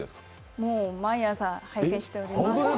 もう、毎朝拝見しております